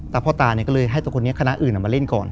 แล้วพ่อตาก็เลยให้ตัวคนนี้คณะอื่นมาเล่นก่อน